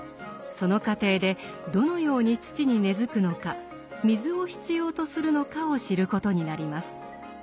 その過程でどのように土に根づくのか水を必要とするのかを知ることになります。